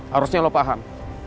harusnya lo paham